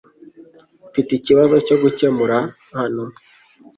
Mfite ikibazo cyo gukemura hano.